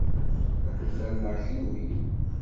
Ad ken-ferneɣ kenwi!